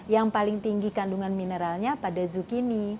yang paling tinggi kandungan mineralnya pada zukini